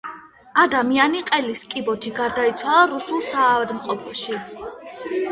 ადამიანი ყელის კიბოთი გარდაიცვალა რუსულ საავადმყოფოში.